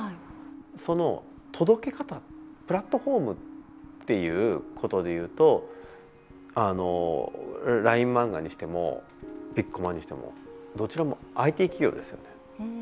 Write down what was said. その届け方、プラットフォームっていうことでいうとＬＩＮＥマンガにしてもピッコマにしてもどちらもＩＴ企業ですよね。